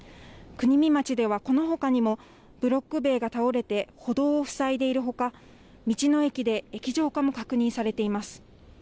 国見町ではこのほかにもブロック塀が倒れて歩道を塞いでいるほか道の駅で液状化も確認されています。